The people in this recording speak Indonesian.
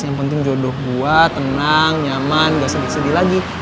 yang penting jodoh buat tenang nyaman gak sedih sedih lagi